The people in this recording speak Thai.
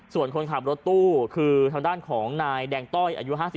ส่วนคนขับรถตู้คือทางด้านของนายแดงต้อยอายุ๕๓